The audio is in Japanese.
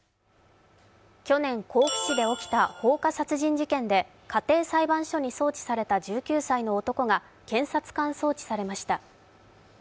去年、甲府市で起きた放火殺人事件で家庭裁判所に送致された１９歳の男が検察官送致されました。